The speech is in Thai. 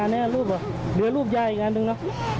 อันนี้ลูกหรือเดี๋ยวลูกย่ายอีกอันนึงนะ